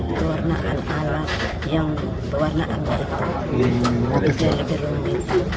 itu warna alat yang berwarna abar itu itu yang lebih rumit